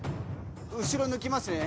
後ろ抜きますね。